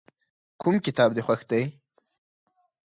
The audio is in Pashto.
کوم کتاب دې خوښ دی؟